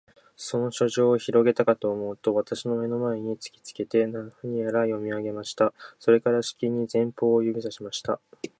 その書状をひろげたかとおもうと、私の眼の前に突きつけて、何やら読み上げました。それから、しきりに前方を指さしました。